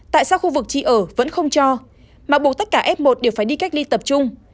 tại sao khu vực tri ở vẫn không cho mà bù tất cả f một đều phải đi cách ly tập trung